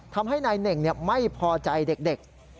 ทำให้นายเหน่งไม่พอใจเด็ก